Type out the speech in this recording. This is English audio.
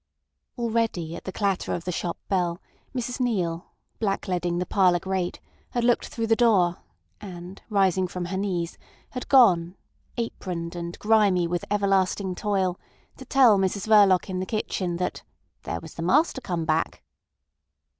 Already at the clatter of the shop bell Mrs Neale, blackleading the parlour grate, had looked through the door, and rising from her knees had gone, aproned, and grimy with everlasting toil, to tell Mrs Verloc in the kitchen that "there was the master come back."